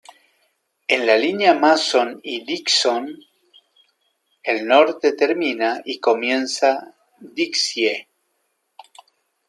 En la Línea Mason y Dixon, el Norte termina y comienza 'Dixie'.